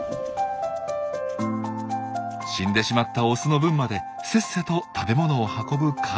死んでしまったオスの分までせっせと食べ物を運ぶカルメン。